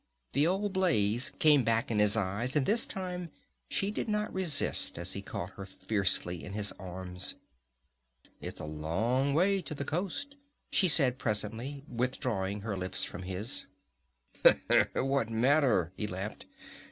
The old blaze came back in his eyes, and this time she did not resist as he caught her fiercely in his arms. "It's a long way to the coast," she said presently, withdrawing her lips from his. "What matter?" he laughed.